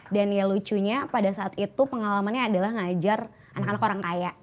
dan ya lucunya pada saat itu pengalamannya adalah ngajar anak anak orang kaya